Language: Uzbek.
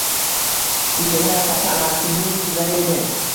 Gulchehra katta amakimning qizlari edi